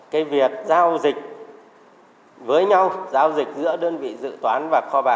cái việc giao dịch với nhau giao dịch giữa đơn vị dự toán và kho bạc